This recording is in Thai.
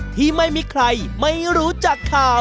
ที่ไม่มีใครไม่รู้จักข่าว